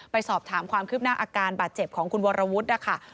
ไปสอบถามความคืบหน้าอาการบาดเจ็บของคุณวรวุฒินะคะ